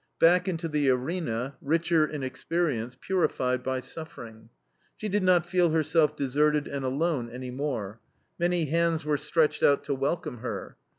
Back into the arena, richer in experience, purified by suffering. She did not feel herself deserted and alone any more. Many hands were stretched out to welcome her.